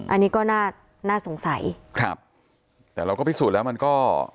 อันนี้ก็น่าน่าสงสัยครับแต่เราก็พิสูจน์แล้วมันก็